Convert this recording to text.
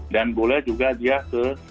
dan boleh juga dia ke